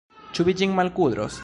Ĉu vi ĝin malkudros?